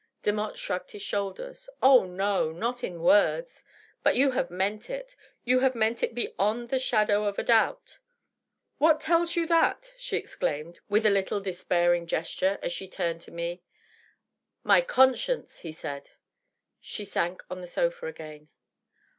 Demotte shrugged his shoulders. " Oh, no — not in words. But you have meant it ; you have meant it beyond the shadow of a doubt.'^ "What tells you that?'^ she exclaimed, with a little despairing gesture, as she turned to me. " My conscience,'' he said. She sank on the sofa again.